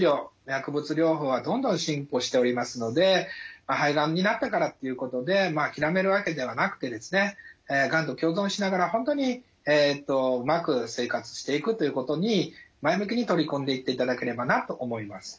薬物療法はどんどん進歩しておりますので肺がんになったからっていうことで諦めるわけではなくてですねがんと共存しながら本当にうまく生活していくということに前向きに取り組んでいっていただければなと思います。